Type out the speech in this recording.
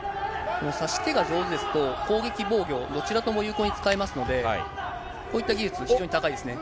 差し手が上手ですと、攻撃、防御、どちらとも有効に使えますので、こういった技術、非常に高いですね。